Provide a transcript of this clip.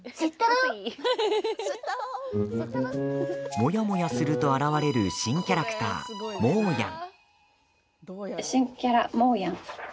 モヤモヤすると現れる新キャラクター、モーヤン。